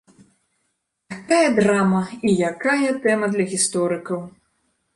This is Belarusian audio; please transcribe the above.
Якая драма і якая тэма для гісторыкаў!